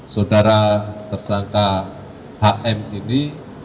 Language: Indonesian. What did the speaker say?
saudara tersangka hm ini